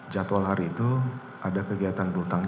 jadwal hari itu ada kegiatan berhutang